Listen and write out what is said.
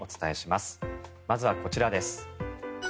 まずはこちらです。